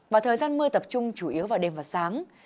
và thời gian mưa tập trung chủ yếu vào đêm và sáng